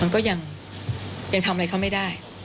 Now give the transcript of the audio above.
มันก็ยังทำอะไรเขาไม่ได้